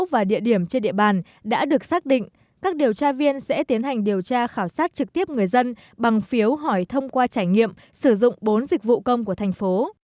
và địa điểm trên địa bàn đã được xác định các điều tra viên sẽ tiến hành điều tra khảo sát trực tiếp người dân bằng phiếu hỏi thông qua trải nghiệm sử dụng bốn dịch vụ công của thành phố